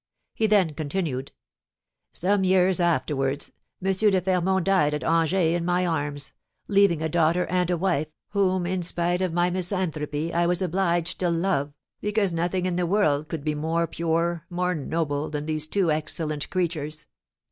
He then continued: "Some years afterwards, M. de Fermont died at Angers in my arms, leaving a daughter and a wife, whom, in spite of my misanthropy, I was obliged to love, because nothing in the world could be more pure, more noble, than these two excellent creatures.